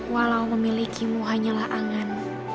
walau memilikimu hanyalah angan